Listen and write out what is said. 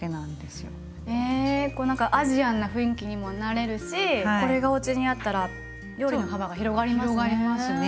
へえこう何かアジアンな雰囲気にもなれるしこれがおうちにあったら料理の幅が広がりますね。